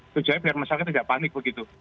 itu jadi biar masyarakat tidak panik begitu